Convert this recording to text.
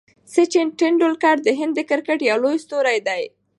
سچن ټندولکر د هند د کرکټ یو لوی ستوری دئ.